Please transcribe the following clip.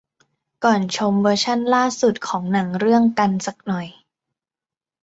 ก่อนชมเวอร์ชั่นล่าสุดของหนังเรื่อง กันสักหน่อย